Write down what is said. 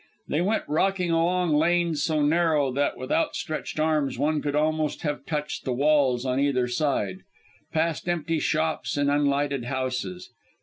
They went rocking along lanes so narrow that with outstretched arms one could almost have touched the walls on either side; past empty shops and unlighted houses.